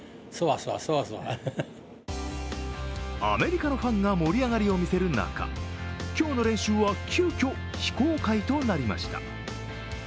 アメリカのファンが盛り上がりを見せる中、今日の練習は急きょ、非公開となりました。